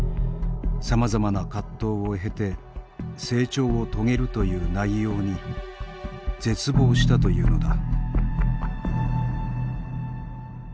さまざまな葛藤を経て成長を遂げるという内容に絶望したというのだ。